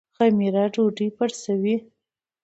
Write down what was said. خمیره ډوډۍ پړسوي